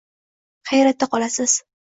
hayratda qolasiz!